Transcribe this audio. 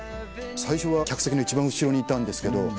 最初は客席の一番後ろにいたんですけど。